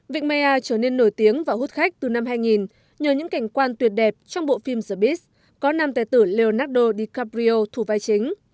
vịnh mê a trở nên nổi tiếng và hút khách từ năm hai nghìn nhờ những cảnh quan tuyệt đẹp trong bộ phim the beast có nam tài tử leonardo dicaprio thủ vai chính